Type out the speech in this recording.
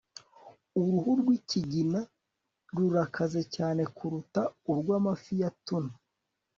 uruhu rwikigina rurakaze cyane kuruta urw'amafi ya tuna